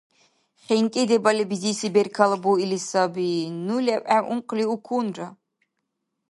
ХинкӀи дебали бизиси беркала буили саби. Ну левгӀев ункъли укунра.